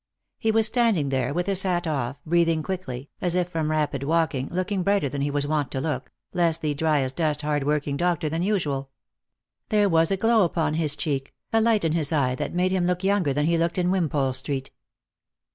He was standing there with his hat off, breathing quickly, as if from rapid walking, looking brighter than he was wont to look, less the dryasdust, hard working doctor than usual. There was a glow upon his cheek, a light in his eye that made him look younger than he looked in Wimpole street.